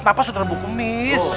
kenapa sudah ada buku mis